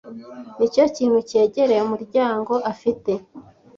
Nicyo kintu cyegereye umuryango afite.